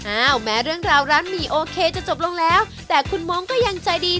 แม้เรื่องราวร้านหมี่โอเคจะจบลงแล้วแต่คุณมองก็ยังใจดี